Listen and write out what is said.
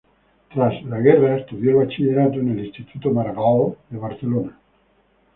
Tras la guerra estudió el Bachillerato en el Instituto Maragall de Barcelona.